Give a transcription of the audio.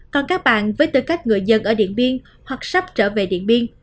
còn các bạn với tư cách người dân ở điện biên hoặc sắp trở về điện biên